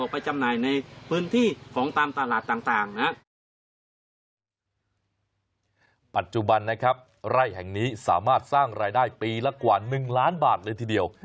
ปัจจุบันนะครับไร่แห่งนี้สามารถสร้างรายได้ปีละกว่า๑ล้านบาทเลยทีเดียว